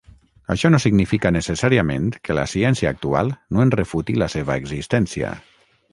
Això no significa necessàriament que la ciència actual no en refuti la seva existència.